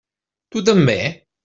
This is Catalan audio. Tu també?